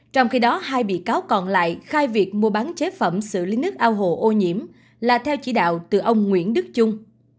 trong khi đó hai bị cáo còn lại khai việc mua bán chế phẩm xử lý nước ao hồ ô nhiễm là theo chỉ đạo từ ông nguyễn đức trung